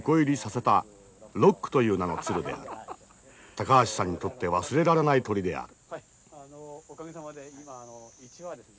高橋さんにとって忘れられない鳥である。